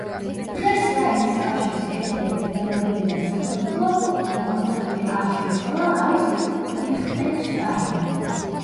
დღეს რაინის კავშირის ერთადერთი დამოუკიდებელი სახელმწიფო რომელმაც სახელი არ შეიცვალა არის ლიხტენშტაინი.